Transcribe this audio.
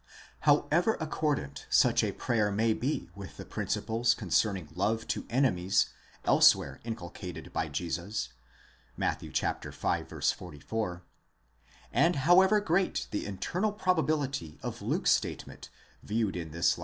24_ However accordant such a prayer may be with the principles con cerning love to enemies elsewhere inculcated by Jesus (Matt. v. 44), and however great the internal probability of Luke's statement viewed in this.